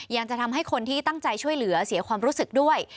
ยังจะทำให้คนที่ตั้งใจช่วยเหลือเสียความรู้สึกด้วย